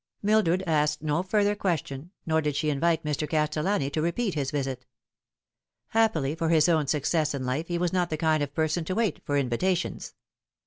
Mildred asked no further question, nor did she invite Mr. Castellani to repeat his visit. Happily for his own success in life, he was not the kind of person to wait for invitations.